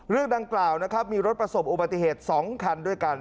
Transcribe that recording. เรื่องดังกล่าวนะครับมีรถประสบอุบัติเหตุ๒คันด้วยกัน